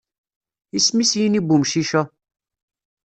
Isem-is yini n umcic-a?